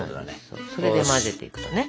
それで混ぜていくとね。